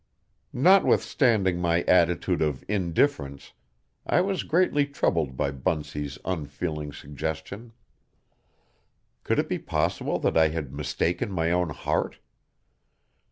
Notwithstanding my attitude of indifference I was greatly troubled by Bunsey's unfeeling suggestion. Could it be possible that I had mistaken my own heart?